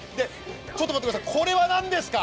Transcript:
ちょっと待ってください、これは何ですか？